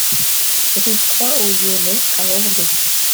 Rue Croix aux Lyonnais à Orbec